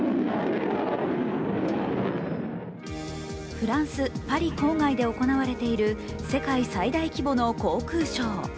フランス・パリ郊外で行われている世界最大規模の航空ショー。